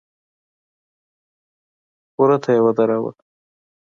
وره ته يې ودراوه.